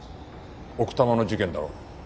奥多摩の事件だろ？